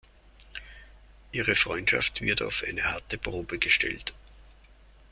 Ihre Freundschaft wird auf eine harte Probe gestellt.